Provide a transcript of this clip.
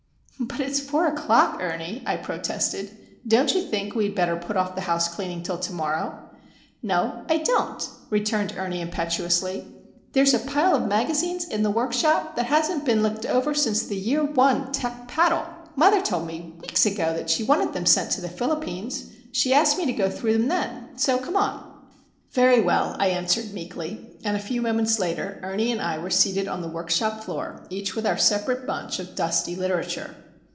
"But it's four o'clock, Ernie," I protested. "Don't you think we had better put off the house cleaning till to morrow?" "No, I don't," returned Ernie, impetuously. "There is a pile of magazines in the workshop that hasn't been looked over since the year 1, Tecpatl! Mother told me weeks ago that she wanted them sent to the Philippines. She asked me to go through them then. So, come on." "Very well," I answered, meekly. And a few moments later Ernie and I were seated on the workshop floor, each with our separate bunch of dusty literature.